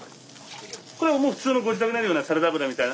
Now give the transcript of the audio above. これはもう普通のご自宅にあるようなサラダ油みたいな。